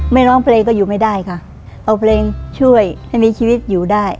ร้องเพลงก็อยู่ไม่ได้ค่ะเอาเพลงช่วยให้มีชีวิตอยู่ได้